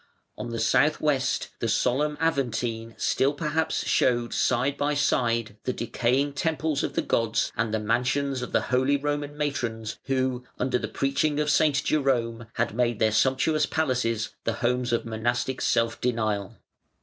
On the south west the solemn Aventme still perhaps showed side by side the decaying temples of the gods and the mansions of the holy Roman matrons who, under the preaching of St. Jerome, had made their sumptuous palaces the homes of monastic self denial.